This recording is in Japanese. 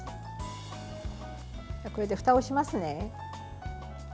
これでふたをしますね。